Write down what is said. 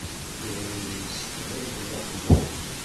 Yuba yemsefham d Nna Xelluǧa.